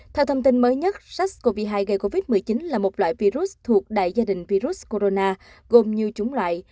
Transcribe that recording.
theo thông tin mới nhất sars cov hai gây covid một mươi chín là một loại virus thuộc đại gia đình virus corona gồm nhiều chủng loại